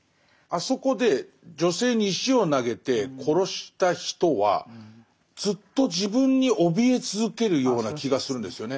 あそこで女性に石を投げて殺した人はずっと自分におびえ続けるような気がするんですよね。